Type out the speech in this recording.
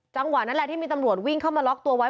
จังหวะนั้นแหละที่มีตำรวจวิ่งเข้ามาล็อกตัวไว้